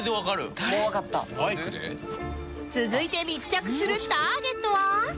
続いて密着するターゲットは